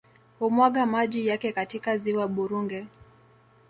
Humwaga maji yake katika ziwa Burunge